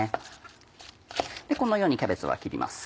このようにキャベツは切ります。